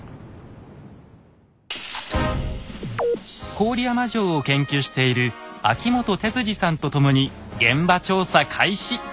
郡山城を研究している秋本哲治さんと共に現場調査開始！